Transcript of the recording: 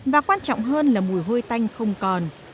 và quan trọng hơn là mùi hôi tanh không còn